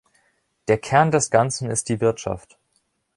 Der Kern des Ganzen ist die Wirtschaft.